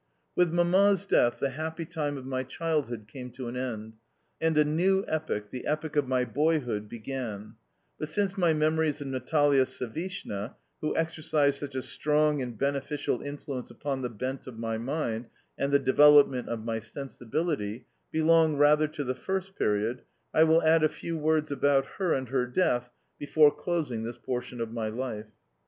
With Mamma's death the happy time of my childhood came to an end, and a new epoch the epoch of my boyhood began; but since my memories of Natalia Savishna (who exercised such a strong and beneficial influence upon the bent of my mind and the development of my sensibility) belong rather to the first period, I will add a few words about her and her death before closing this portion of my life.